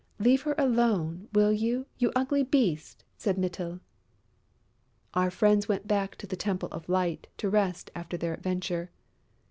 "Leave her alone, will you, you ugly beast?" said Mytyl. Our friends went back to the Temple of Light to rest after their adventure.